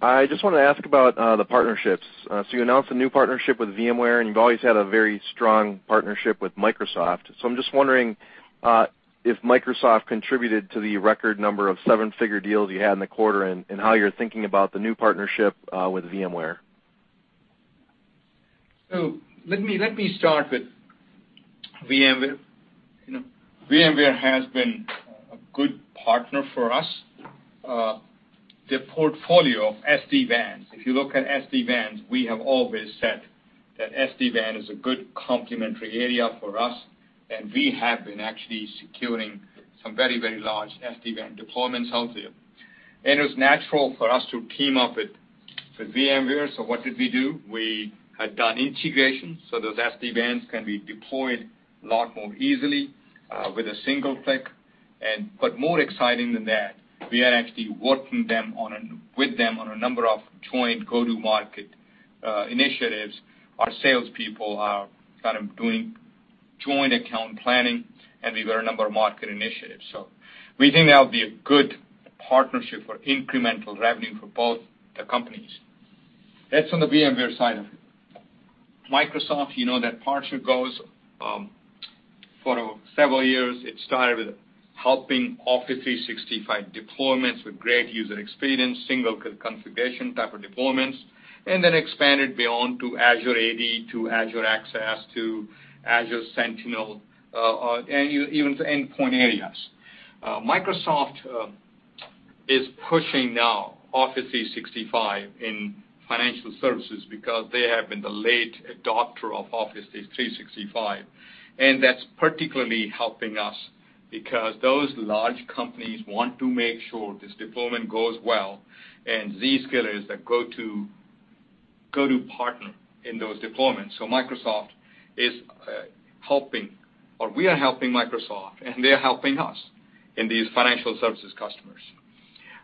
I just wanted to ask about the partnerships. You announced a new partnership with VMware, and you've always had a very strong partnership with Microsoft. I'm just wondering if Microsoft contributed to the record number of seven-figure deals you had in the quarter and how you're thinking about the new partnership with VMware. Let me start with VMware. VMware has been a good partner for us. Their portfolio of SD-WANs, if you look at SD-WANs, we have always said that SD-WAN is a good complementary area for us, and we have been actually securing some very large SD-WAN deployments out there. It was natural for us to team up with VMware. What did we do? We had done integration, so those SD-WANs can be deployed a lot more easily with a single click. More exciting than that, we are actually working with them on a number of joint go-to-market initiatives. Our salespeople are doing joint account planning, and we've got a number of market initiatives. We think that'll be a good partnership for incremental revenue for both the companies. That's on the VMware side of it. Microsoft, you know that partnership goes for several years. It started with helping Office 365 deployments with great user experience, single configuration type of deployments, and then expanded beyond to Azure AD, to Azure Access, to Azure Sentinel, and even to endpoint areas. Microsoft is pushing now Office 365 in financial services because they have been the late adopter of Office 365. That's particularly helping us because those large companies want to make sure this deployment goes well, and Zscaler is the go-to partner in those deployments. Microsoft is helping, or we are helping Microsoft, and they're helping us in these financial services customers.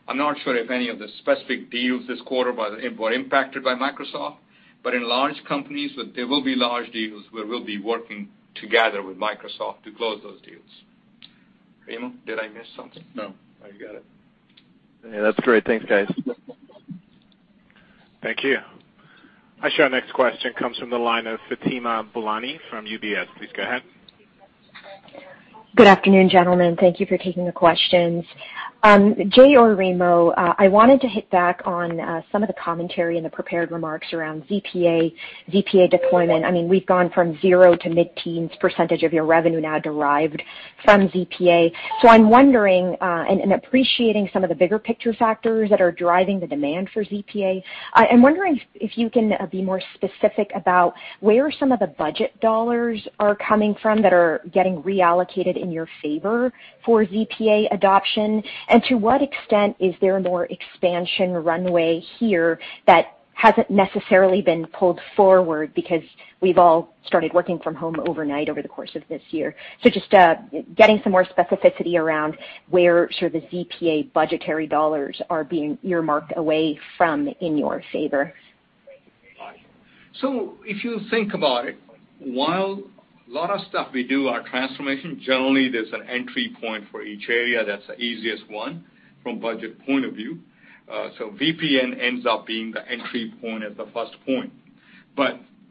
I'm not sure if any of the specific deals this quarter were impacted by Microsoft, but in large companies, there will be large deals where we'll be working together with Microsoft to close those deals. Remo, did I miss something? No, I got it. That's great. Thanks, guys. Thank you. Our next question comes from the line of Fatima Boolani from UBS. Please go ahead. Good afternoon, gentlemen. Thank you for taking the questions. Jay or Remo, I wanted to hit back on some of the commentary in the prepared remarks around ZPA deployment. We've gone from zero to mid-teens percentage of your revenue now derived from ZPA. I'm wondering and appreciating some of the bigger picture factors that are driving the demand for ZPA. I'm wondering if you can be more specific about where some of the budget dollars are coming from that are getting reallocated in your favor for ZPA adoption, and to what extent is there more expansion runway here that hasn't necessarily been pulled forward because we've all started working from home overnight over the course of this year? Just getting some more specificity around where the ZPA budgetary dollars are being earmarked away from in your favor. If you think about it, while a lot of stuff we do are transformation, generally, there's an entry point for each area that's the easiest one from budget point of view. VPN ends up being the entry point as the first point.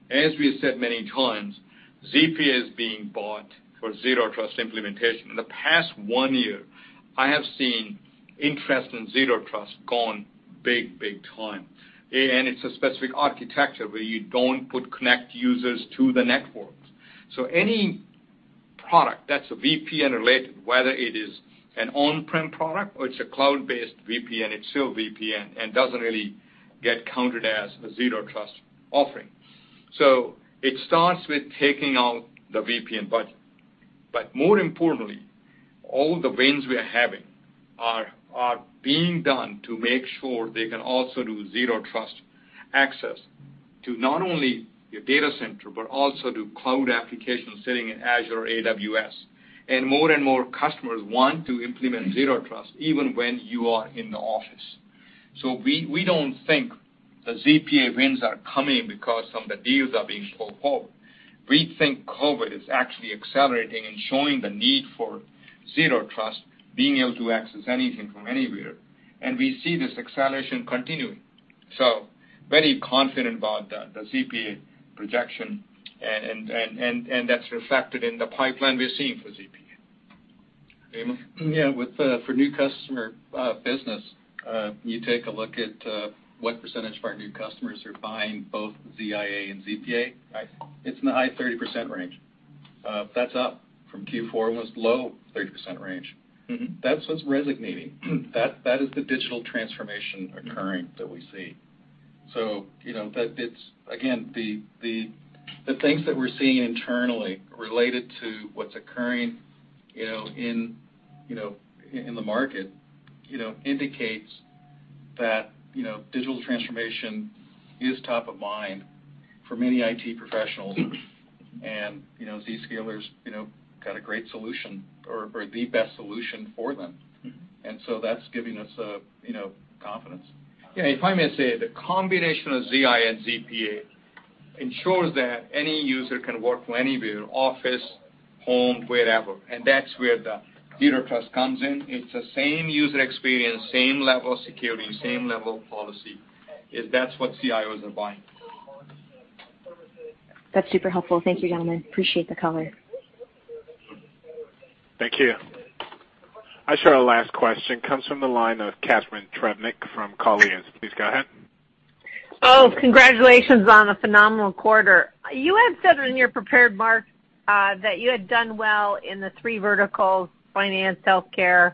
As we've said many times, ZPA is being bought for Zero Trust implementation. In the past one year, I have seen interest in Zero Trust gone big time, and it's a specific architecture where you don't put connect users to the networks. Any product that's VPN related, whether it is an on-prem product or it's a cloud-based VPN, it's still VPN and doesn't really get counted as a Zero Trust offering. It starts with taking out the VPN budget. More importantly, all the wins we are having are being done to make sure they can also do Zero Trust access to not only your data center, but also to cloud applications sitting in Azure or AWS. More and more customers want to implement Zero Trust even when you are in the office. We don't think the ZPA wins are coming because some of the deals are being pulled forward. We think COVID is actually accelerating and showing the need for Zero Trust, being able to access anything from anywhere. We see this acceleration continuing. Very confident about the ZPA projection, and that's reflected in the pipeline we're seeing for ZPA. Remo? Yeah. For new customer business, you take a look at what percentage of our new customers are buying both ZIA and ZPA. Right. It's in the high 30% range. That's up from Q4. It was low 30% range. That's what's resonating. That is the digital transformation occurring that we see. Again, the things that we're seeing internally related to what's occurring in the market indicates that digital transformation is top of mind for many IT professionals. Zscaler's got a great solution or the best solution for them. That's giving us confidence. Yeah, if I may say, the combination of ZIA and ZPA ensures that any user can work from anywhere, office, home, wherever, and that's where the Zero Trust comes in. It's the same user experience, same level of security, same level of policy, is that's what CIOs are buying. That's super helpful. Thank you, gentlemen. Appreciate the color. Thank you. Our final last question comes from the line of Catharine Trebnick from Colliers. Please go ahead. Oh, congratulations on a phenomenal quarter. You had said in your prepared, remarks, that you had done well in the three verticals, finance, healthcare,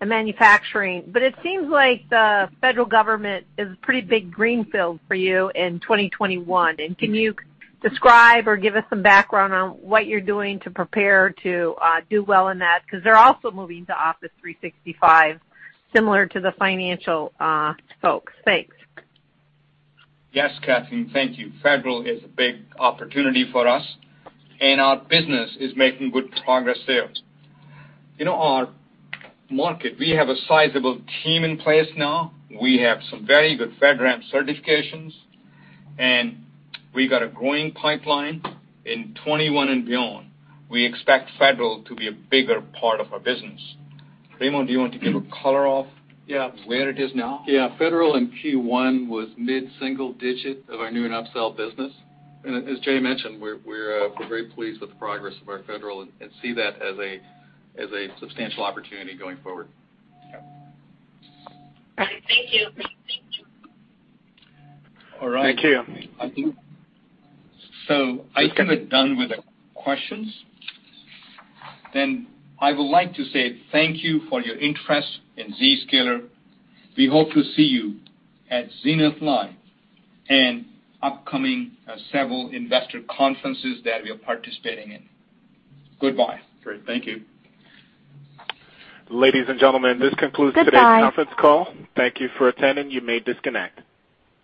and manufacturing. It seems like the federal government is a pretty big greenfield for you in 2021. Can you describe or give us some background on what you're doing to prepare to do well in that? They're also moving to Office 365 similar to the financial folks. Thanks. Yes, Catharine. Thank you. federal is a big opportunity for us, and our business is making good progress there. We have a sizable team in place now. We have some very good FedRAMP certifications, and we've got a growing pipeline in 2021 and beyond. We expect federal to be a bigger part of our business. Remo, do you want to give a color of. Yeah where it is now? Yeah. Federal in Q1 was mid-single digit of our new and upsell business. As Jay mentioned, we're very pleased with the progress of our federal and see that as a substantial opportunity going forward. Yeah. Thank you. All right. Thank you. I think. I think we're done with the questions. I would like to say thank you for your interest in Zscaler. We hope to see you at Zenith Live and upcoming several investor conferences that we are participating in. Goodbye. Great. Thank you. Ladies and gentlemen, this concludes today's. Goodbye conference call. Thank you for attending. You may disconnect.